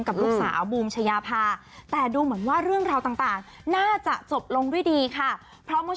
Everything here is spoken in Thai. กับลูกสาวบูมชะยาภา